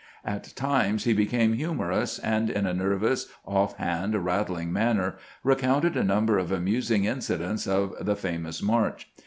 At times he became humorous, and in a nervous, oflfhand, rattling manner recounted a number of amusing incidents of the famous march.